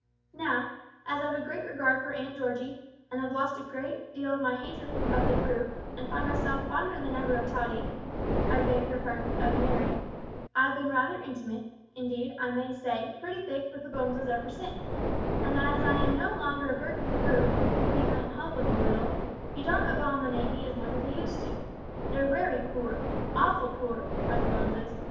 Now, as I've a great regard for aunt Georgie, and have lost a good deal of my hatred of the Brute, and find myself fonder than ever of Tottie I beg her pardon, of Merry I've been rather intimate indeed, I may say, pretty thick with the Boneses ever since; and as I am no longer a burden to the Brute can even help 'im a little he don't abominate me as much as he used to. They're wery poor awful poor are the Boneses.